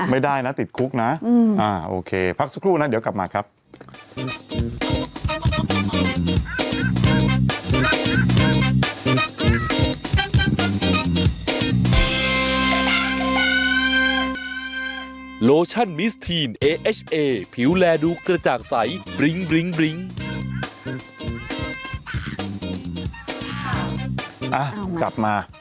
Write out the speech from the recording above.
ไม่ได้นะติดคุกนะโอเคพักสักครู่นะเดี๋ยวกลับมาครับ